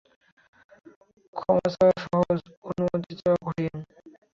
ক্ষমা চাওয়া সহজ, অনুমতি চাওয়া কঠিন।